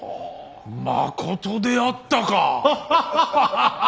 まことであったか。